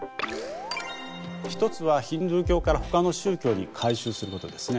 一つはヒンドゥー教からほかの宗教に改宗することですね。